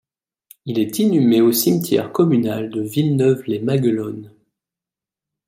Il est inhumé au cimetière communal de Villeneuve-lès-Maguelone.